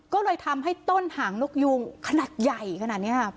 ก็เลยทำให้ต้นหางนกยูงขนาดใหญ่ขนาดนี้